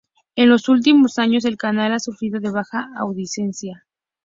En los últimos años, el canal ha sufrido de baja audiencia.